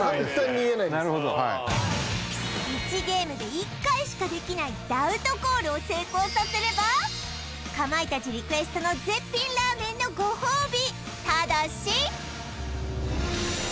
なるほど１ゲームで１回しかできないダウトコールを成功させればかまいたちリクエストの絶品ラーメンのご褒美